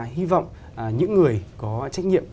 hy vọng những người có trách nhiệm